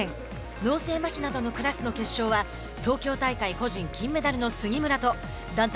脳性まひなどのクラスの決勝は東京大会個人金メダルの杉村と団体